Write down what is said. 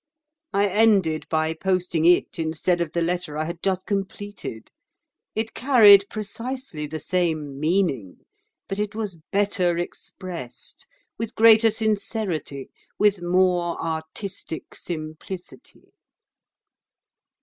I ended by posting it instead of the letter I had just completed. It carried precisely the same meaning; but it was better expressed, with greater sincerity, with more artistic simplicity."